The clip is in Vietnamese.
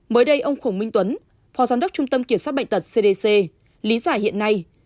mới đây ông khổng minh tuấn phó giám đốc trung tâm kiểm soát bệnh tật cdc lý giải hiện nay